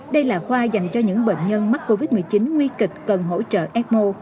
đây là khoa dành cho những bệnh nhân mắc covid một mươi chín nguy kịch cần hỗ trợ ecmo